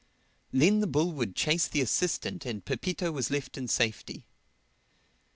Then the bull would chase the assistant and Pepito was left in safety.